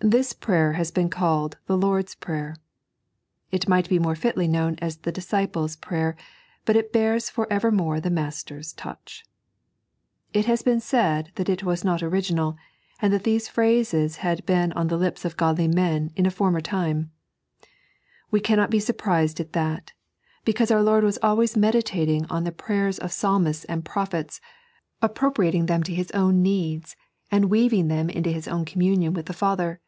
This prayer has been caiied the Lor^B Prefer. It might be more fitly known as the Disciples' Prayer, but it bears for evermore the Master's touch. It has been said that it was not original, and that these phrases had been on the lips of godly men in a former time, We cannot be sur prised at that, because our Lord was always meditating 3.n.iized by Google The Choech's Fbayeb. Ill upon the prayera ot psalmists and prophets, appropriating them to His own needs, and weaving them into Hia own communion with the Father.